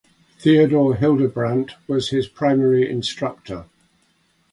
Theodor Hildebrandt was his primary instructor.